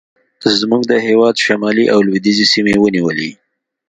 زموږ د هېواد شمالي او لوېدیځې سیمې ونیولې.